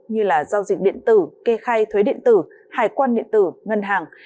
như giao dịch điện tử kê khai thuế điện tử hải quan điện tử ngân hàng